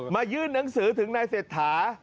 มายื่นหนังสือถึงนายเสร็จถา